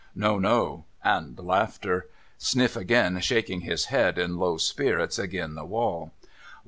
' No, no, and laughter. Sniff agin shaking his head in low spirits agin the wall.